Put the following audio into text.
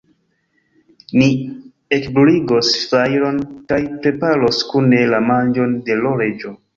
Ni ekbruligos fajron kaj preparos kune la manĝon de l' Reĝo.